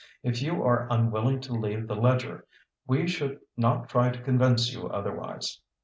If you are unwilling to leave the Ledger, we should not try to convince you otherwise.